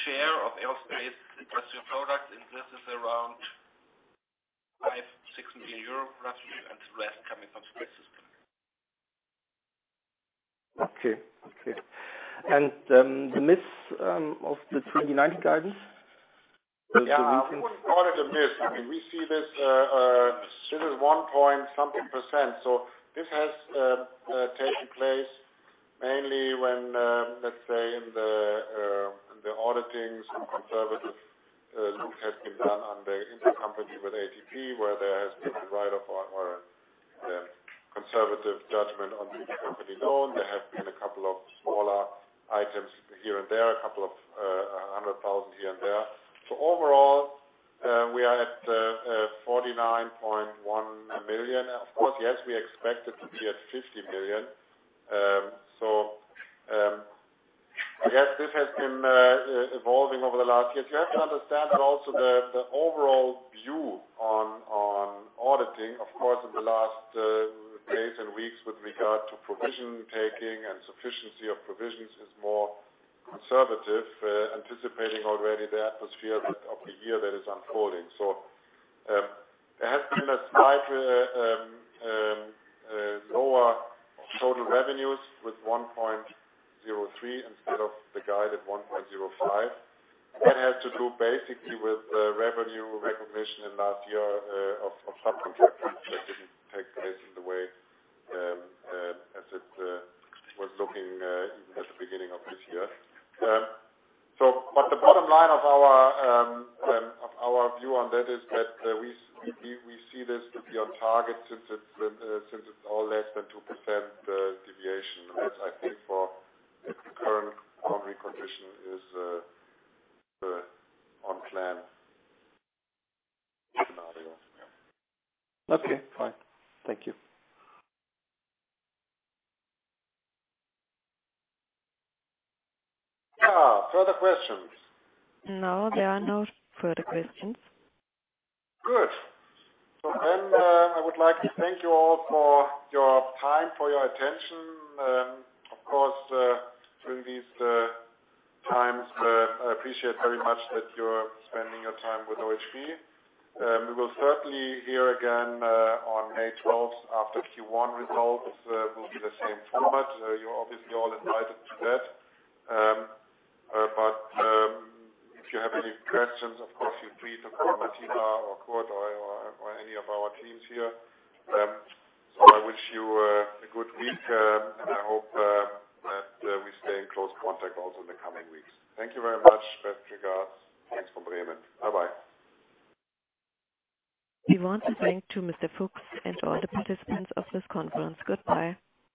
share of Aerospace and Industrial Products, this is around EUR five, six million roughly, the rest coming from Space Systems. Okay. The miss of the 2019 guidance? The reasons. I wouldn't call it a miss. This is one point something%. This has taken place mainly when, let's say in the auditings, a conservative look has been done on the intercompany with ATP, where there has been a write-off or a conservative judgment on the intercompany loan. There have been a couple of smaller items here and there, a couple of 100,000 here and there. Overall, we are at 49.1 million. Of course, yes, we expected to be at 50 million. I guess this has been evolving over the last years. You have to understand also the overall view on auditing, of course, in the last days and weeks with regard to provision taking and sufficiency of provisions is more conservative, anticipating already the atmosphere of the year that is unfolding. There has been a slight lower total revenues with 1.03 instead of the guided 1.05. That has to do basically with revenue recognition in last year of subcontracts that didn't take place in the way as it was looking even at the beginning of this year. The bottom line of our view on that is that we see this to be on target since it's all less than 2% deviation, which I think for the current economy condition is on plan scenario. Okay, fine. Thank you. Further questions? No, there are no further questions. Good. I would like to thank you all for your time, for your attention. Of course, during these times, I appreciate very much that you're spending your time with OHB. We will certainly hear again on May 12th after Q1 results will be the same format. You're obviously all invited to that. If you have any questions, of course, you're free to call Martina or Kurt or any of our teams here. I wish you a good week, and I hope that we stay in close contact also in the coming weeks. Thank you very much. Best regards. Thanks from Bremen. Bye-bye. We want to thank to Mr. Fuchs and all the participants of this conference. Goodbye.